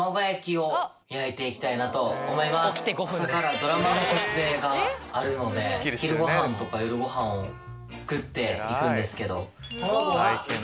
朝からドラマの撮影があるので昼ご飯とか夜ご飯を作っていくんですけど。